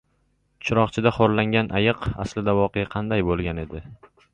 Chiroqchida xo‘rlangan ayiq: aslida voqea qanday bo‘lgan edi?